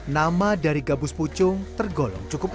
nama dari gabus pucung tergolong cukup